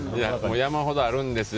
山ほどあるんですよ。